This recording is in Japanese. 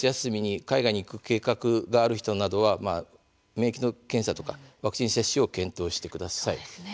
夏休みに海外に行く計画がある人などは免疫の検査やワクチン接種を検討してください。